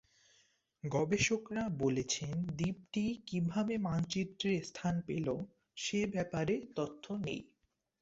গবেষকরা বলছেন, দ্বীপটি কীভাবে মানচিত্রে স্থান পেল, সে ব্যাপারে তথ্য নেই।